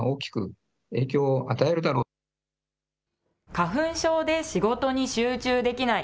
花粉症で仕事に集中できない。